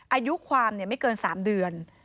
อายุความไม่เกิน๓เดือน